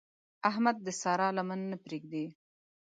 احمد د سارا لمن نه پرېږدي.